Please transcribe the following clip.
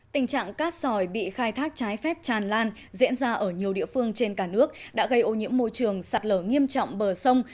tình trạng cát sỏi bị khai thác trái phép tràn lan diễn ra ở nhiều địa phương trên cả nước đã gây ô nhiễm môi trường sạt lở nghiêm trọng bờ sông